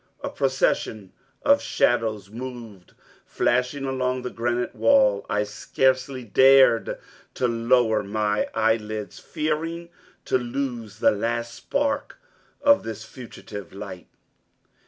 A procession of shadows moved flashing along the granite wall. I scarcely dared to lower my eyelids, fearing to lose the last spark of this fugitive light.